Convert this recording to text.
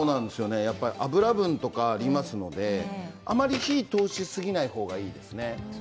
脂分とかありますからあまり火を通しすぎないほうがいいですね。